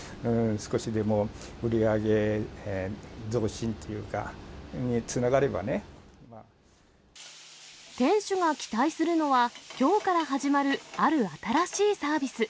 少しでも売り上げ増進っていうか、店主が期待するのは、きょうから始まるある新しいサービス。